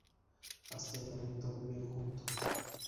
Hasta el momento viven juntos.